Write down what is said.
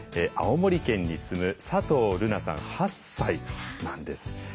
青森県に住む佐藤瑠南さん８歳なんです。